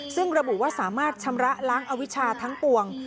ซึ่งระบุว่าสามารถชำระล้างอวิชาทั้งปวง